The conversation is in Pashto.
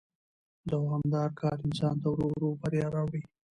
دوامدار کار انسان ته ورو ورو بریا راوړي